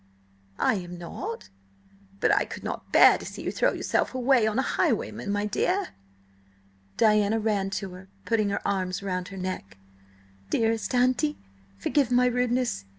"I am not. But I could not bear to see you throw yourself away on a highwayman, my dear." Diana ran to her, putting her arms round her neck. "Dearest auntie, forgive my rudeness!